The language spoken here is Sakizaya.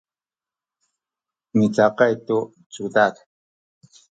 micakay tu cudad